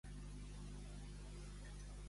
Ser el curiós d'en Nofre.